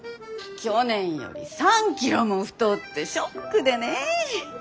去年より３キロも太ってショックでね。